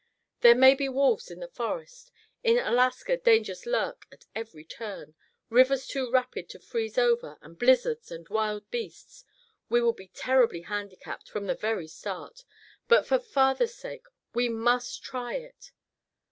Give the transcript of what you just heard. There may be wolves in the forests. In Alaska dangers lurk at every turn; rivers too rapid to freeze over and blizzards and wild beasts. We will be terribly handicapped from the very start. But for father's sake we must try it."